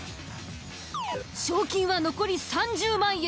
賞金は残り３０万円。